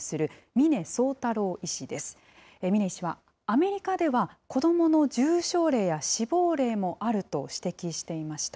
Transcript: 峰医師は、アメリカでは、子どもの重症例や死亡例もあると指摘していました。